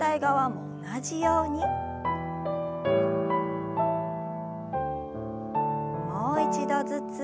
もう一度ずつ。